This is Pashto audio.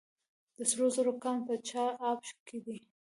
د سرو زرو کان په چاه اب کې دی